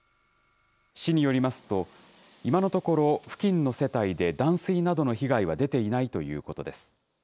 市によりますと、今のところ付近の世帯で断水などの被害は出ていないということです。